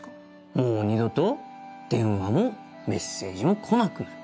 もう二度と電話もメッセージも来なくなる。